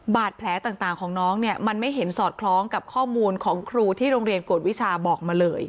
บาดแผลต่างของน้องเนี่ยมันไม่เห็นสอดคล้องกับข้อมูลของครูที่โรงเรียนกวดวิชาบอกมาเลย